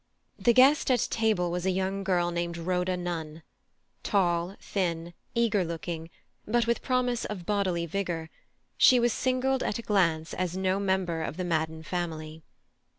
The guest at table was a young girl named Rhoda Nunn. Tall, thin, eager looking, but with promise of bodily vigour, she was singled at a glance as no member of the Madden family.